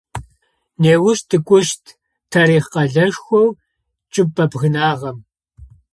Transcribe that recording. Неущ тыкӏощт тарихъ къэлэшхоу чӏыпӏэ бгынагъэм.